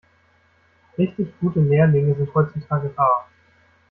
Richtig gute Lehrlinge sind heutzutage rar.